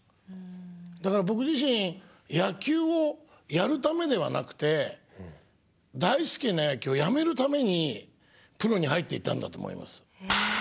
だから僕自身野球をやるためではなくて大好きな野球をやめるためにプロに入っていったんだと思います。